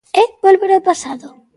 ¿É volver ao pasado?